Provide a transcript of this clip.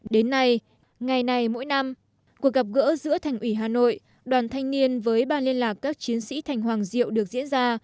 đến nay ngày này mỗi năm cuộc gặp gỡ giữa thành ủy hà nội đoàn thanh niên với ba liên lạc các chiến sĩ thành hoàng diệu được diễn ra